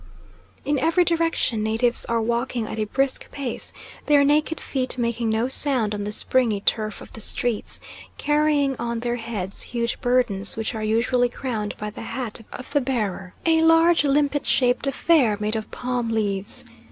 In every direction natives are walking at a brisk pace, their naked feet making no sound on the springy turf of the streets, carrying on their heads huge burdens which are usually crowned by the hat of the bearer, a large limpet shaped affair made of palm leaves.